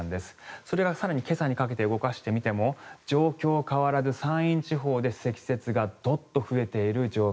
それが更に今朝にかけて動かしてみても状況が変わらず山陰地方で積雪がどっと増えている状況。